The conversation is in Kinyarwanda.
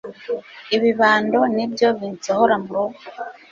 Ibibando ni byo binsohora mu rugo